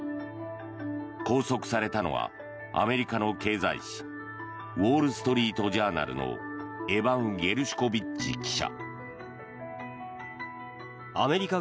拘束されたのはアメリカの経済紙ウォール・ストリート・ジャーナルのエバン・ゲルシュコビッチ記者。